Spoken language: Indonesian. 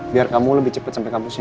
biar kamu lebih cepet sampe kampusnya